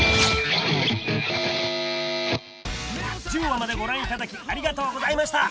１０話までご覧いただきありがとうございました！